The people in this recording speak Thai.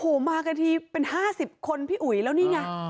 โอ้เหอะมากันทีเป็นห้าสิบคนพี่อุ๋ยแล้วนี่ไง